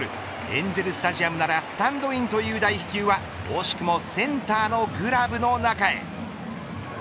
エンゼルスタジアムならスタンドインという大飛球は惜しくもセンターのグラブの中へ。